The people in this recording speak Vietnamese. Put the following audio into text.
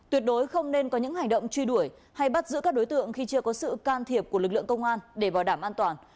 tuyệt đối không nên có những hành động truy đuổi hay bắt giữ các đối tượng khi chưa có sự can thiệp của lực lượng công an để bảo đảm an toàn